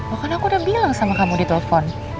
oh kan aku udah bilang sama kamu di telpon